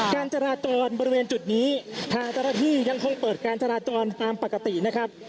การจราจรบริเวณจุดนี้ทางเจ้าหน้าที่ยังคงเปิดการจราจรตามปกตินะครับ